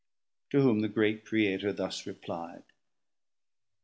To whom the great Creatour thus reply'd.